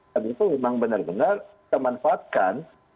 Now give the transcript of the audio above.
dan itu memang benar benar kemanfaatkan